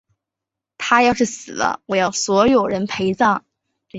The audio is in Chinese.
她要是死了，我要所有人陪葬！